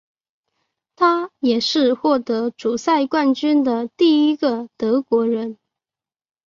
他也是获得主赛冠军的第一个德国人。